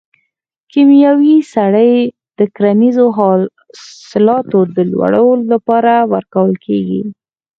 کیمیاوي سرې د کرنیزو حاصلاتو د لوړولو لپاره ورکول کیږي.